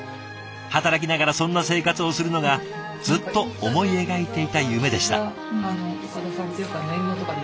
働きながらそんな生活をするのがずっと思い描いていた夢でした。